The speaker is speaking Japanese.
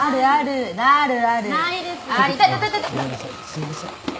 すいません。